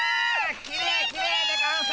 きれいきれいでゴンス！